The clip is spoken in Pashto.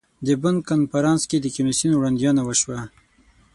د بن کنفرانس کې د کمیسیون وړاندوینه وشوه.